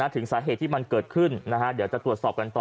ถึงสาเหตุที่มันเกิดขึ้นเดี๋ยวจะตรวจสอบกันต่อ